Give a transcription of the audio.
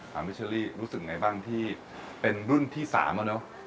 พี่เชอรี่รู้สึกไงบ้างที่เป็นรุ่นที่๓แล้วเนอะ